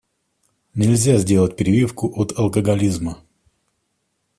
Нельзя сделать прививку от алкоголизма.